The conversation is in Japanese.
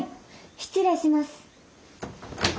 ・失礼します。